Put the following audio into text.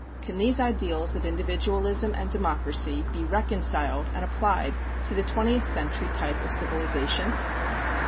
Can these ideals of individualism and democracy be reconciled and applied to the twentieth century type of civilization?